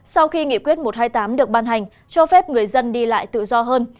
sau khi nghị quyết một trăm hai mươi tám được ban hành cho phép người dân đi lại tự do hơn